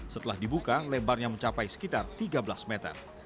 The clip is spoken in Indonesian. setelah dibuka lebarnya mencapai sekitar tiga belas meter